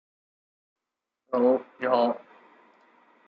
出云尼子氏的家祖。